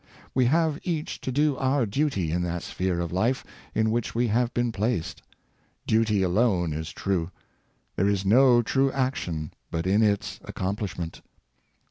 We have each to do our duty in that sphere of life in which we have been placed. Duty alone is true; there is no true action but in its accomplishment.